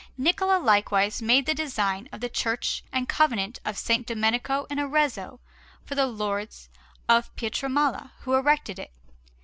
Niccola likewise made the design of the Church and Convent of S. Domenico in Arezzo for the Lords of Pietramala, who erected it.